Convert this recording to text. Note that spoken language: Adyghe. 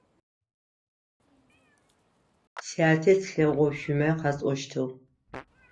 Сятэ слъэгъушъумэ къасӏощтыгъ.